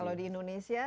kalau di indonesia